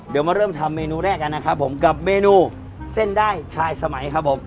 เดี๋ยวมาเริ่มทำเมนูแรกกันนะครับผมกับเมนูเส้นได้ชายสมัยครับผม